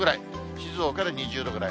静岡で２０度ぐらい。